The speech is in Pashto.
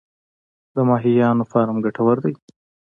د ماهیانو فارم ګټور دی؟